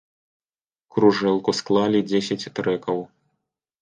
Кружэлку склалі дзесяць трэкаў.